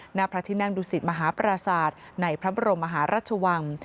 หน้าพระที่นั่งดุสิตมหาปราศาสตร์ในพระบรมมหาราชวัง